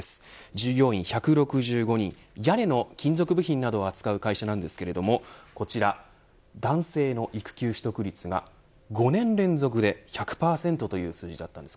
従業員１６５人屋根の金属部品などを扱う会社なんですけれどこちら男性の育休取得率が５年連続で１００％という数字だったんです。